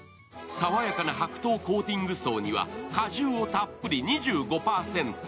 爽やかな白桃コーティング層には果汁たっぷり２５％。